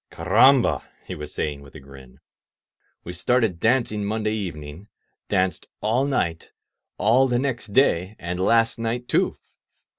Carramhar* he was saying with a grin ; we started dancing Monday evening, danced all night, all the next day, and last night, too!